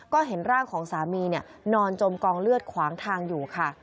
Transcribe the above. ก็เห็นร่างของสามีนอนจมกองเลือดขวางทางอยู่ค่ะ